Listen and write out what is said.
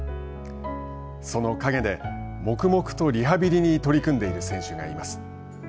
その影で、黙々とリハビリに取り組んでいる選手がいます。